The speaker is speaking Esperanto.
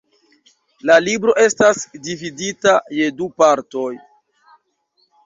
La libro estas dividita je du partoj.